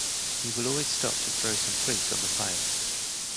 He will always stop to throw some twigs on the pile.